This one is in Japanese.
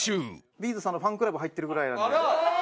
Ｂ’ｚさんのファンクラブ入ってるぐらいなんで。